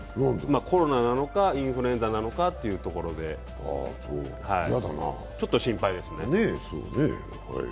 コロナなのかインフルエンザなのかというところでちょっと心配ですね。